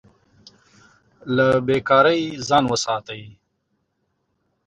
له بې کارۍ ځان وساتئ.